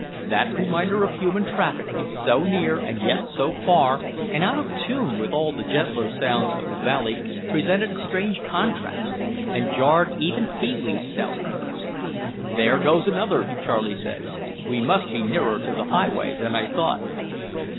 That reminder of human traffic, so near and yet so far and out of tune with all the gentler sounds of the valley, presented a strange contrast and jarred even Pee wee's stout nerves. "There goes another," Charlie said; "we must be nearer to the highway than I thought."